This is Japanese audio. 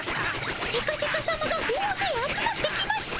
セカセカさまが大ぜい集まってきました。